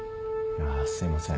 すいません。